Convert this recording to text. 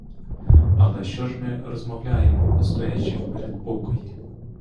Але що ж ми розмовляємо, стоячи в передпокої?